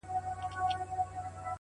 یاره چنار دي پېغور نه راکوي,